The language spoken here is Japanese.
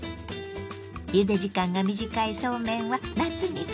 ゆで時間が短いそうめんは夏にピッタリ。